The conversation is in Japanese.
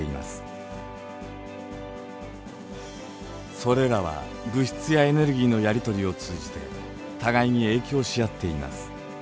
それらは物質やエネルギーのやり取りを通じて互いに影響し合っています。